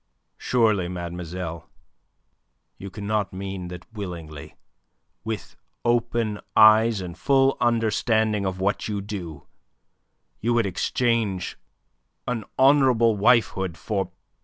"Surely, mademoiselle, you cannot mean that willingly, with open eyes and a full understanding of what you do, you would exchange an honourable wifehood for...